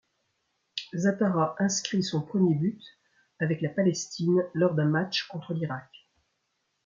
Zatara inscrit son premier but avec la Palestine lors d'un match contre l'Irak.